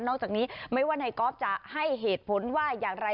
นอกจากนี้ไม่ว่าในก๊อฟจะให้เหตุผลว่าอย่างไร